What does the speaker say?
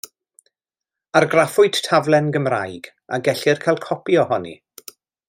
Argraffwyd taflen Gymraeg a gellir cael copi ohoni.